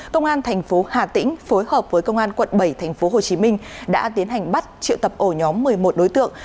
công an tp hà tĩnh phối hợp với công an quận bảy tp hồ chí minh đã tiến hành bắt triệu tập ổ nhóm một mươi một đối tượng